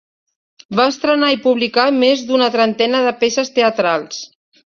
Va estrenar i publicar més d'una trentena de peces teatrals.